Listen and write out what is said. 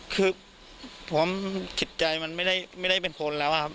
เพราะว่าคิดใจมันไม่ได้ไม่ได้เป็นคนแล้วอ่ะครับ